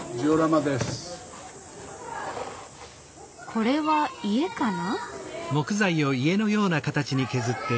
これは家かな。